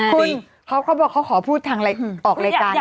คุณเขาบอกเขาขอพูดทางอะไรออกรายการได้ไหม